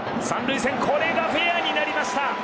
三塁線これがフェアになりました。